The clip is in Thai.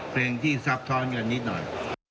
เพลงที่ซับซ้อนกันนิดหน่อย